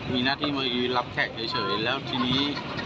มีหน้าที่มายืนรับแขกเฉยแล้วทีนี้